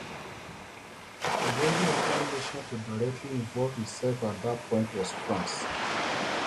The only other nation to directly involve itself at that point was France.